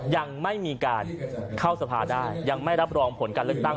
ยังไม่มีการเข้าสภาได้ยังไม่รับรองผลการเลือกตั้ง